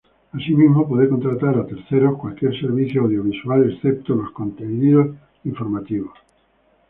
Asimismo puede contratar a terceros cualquier servicio audiovisual excepto los contenidos informativos.